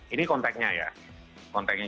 ini konteknya ya